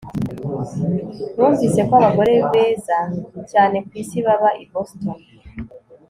Numvise ko abagore beza cyane ku isi baba i Boston